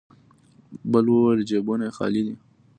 بل وويل: جيبونه يې خالي دی.